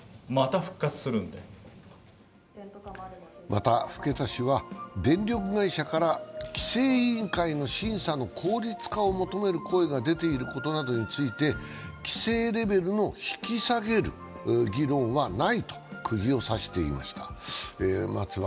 また、更田氏は、電力会社から、規制委員会の審査の効率化を求める声が出ていることなどについて規制レベルを引き下げる議論はないとクギを刺していました。